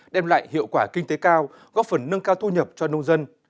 đem lại hiệu quả kinh tế cao góp phần nâng cao thu nhập cho nông dân